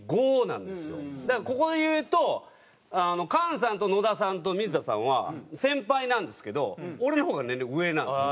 だからここでいうと菅さんと野田さんと水田さんは先輩なんですけど俺の方が年齢上なんですよ。